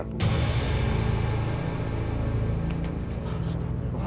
pasti ketahuan belangnya